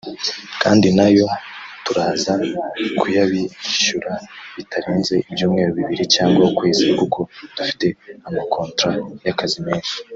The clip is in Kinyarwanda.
Kandi na yo turaza kuyabishyura bitarenze ibyumweru bibiri cyangwa ukwezi kuko dufite amakontaro y’akazi menshi